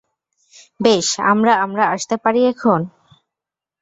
বেশ, আমরা, আমরা আসতে পারি এখন?